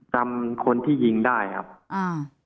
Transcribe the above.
จำคนที่ยิงได้ครับอ่า